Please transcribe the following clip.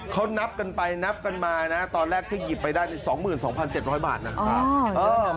เขานับกันไปนับกันมานะตอนแรกที่หยิบไปได้๒๒๗๐๐บาทนะครับ